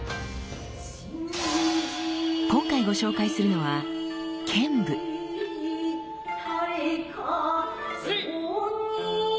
今回ご紹介するのはえい！